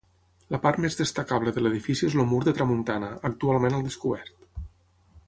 La part més destacable de l'edifici és el mur de tramuntana, actualment al descobert.